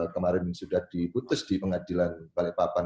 kemarin sudah diputus di pengadilan balikpapan